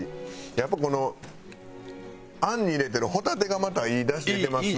やっぱこのあんに入れてるホタテがまたいい出汁出てますね。